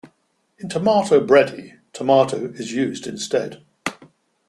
In tomato bredie tomato is used instead.